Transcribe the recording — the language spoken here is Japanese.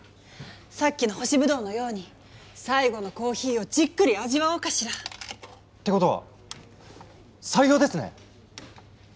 さっきの干しブドウのように最後のコーヒーをじっくり味わおうかしら。ってことは採用ですね？